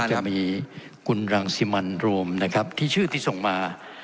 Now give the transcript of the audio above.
จะมีคุณรังสิมันโรมนะครับที่ชื่อที่ส่งมา